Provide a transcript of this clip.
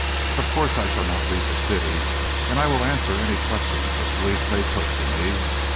Of course, I shall not leave the city, and I will answer any questions the police may put to me.